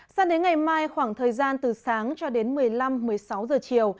sang đến ngày mai khoảng thời gian từ sáng cho đến một mươi năm một mươi sáu giờ chiều